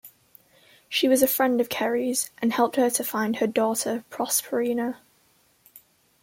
She was a friend of Ceres and helped her to find her daughter Proserpina.